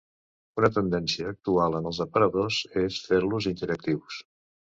Una tendència actual en els aparadors és fer-los interactius.